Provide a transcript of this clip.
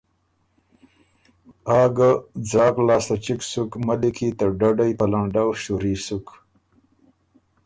آ ګۀ ځاک لاسته چِګ سُک، ملّی کی ته ډَډئ په لنډؤ شوري سُک۔